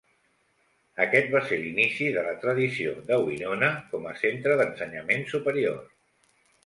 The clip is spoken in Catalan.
Aquest va ser l'inici de la tradició de Winona com a centre d'ensenyament superior.